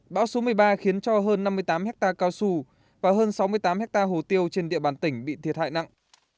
bão số một mươi ba khiến cho hơn năm mươi tám hectare cao su và hơn sáu mươi tám hectare hồ tiêu trên địa bàn tỉnh bị thiệt hại nặng